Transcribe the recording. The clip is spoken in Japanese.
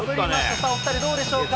さあ、お２人、どうでしょうか。